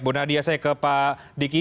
bu nadia saya ke pak diki